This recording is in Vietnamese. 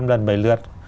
ba lần bảy lượt